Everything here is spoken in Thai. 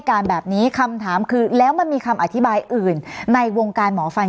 การแบบนี้คำถามคือแล้วมันมีคำอธิบายอื่นในวงการหมอฟัน